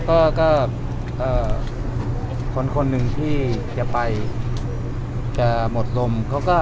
ก็คนคนหนึ่งที่จะไปจะหมดลมเขาก็